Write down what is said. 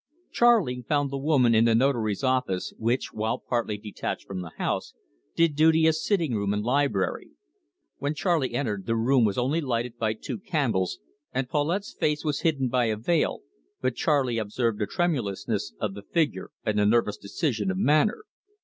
Charley found the woman in the Notary's office, which, while partly detached from the house, did duty as sitting room and library. When Charley entered, the room was only lighted by two candles, and Paulette's face was hidden by a veil, but Charley observed the tremulousness of the figure and the nervous decision of manner.